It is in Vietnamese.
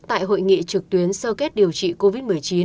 tại hội nghị trực tuyến sơ kết điều trị covid một mươi chín